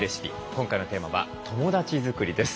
今回のテーマは友だち作りです。